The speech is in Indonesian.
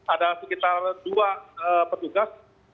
ada sekitar dua petugas